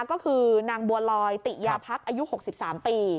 ก็คือนางบัวลอยติยาพักอายุ๖๓ปี